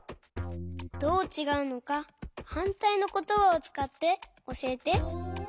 どうちがうのかはんたいのことばをつかっておしえて。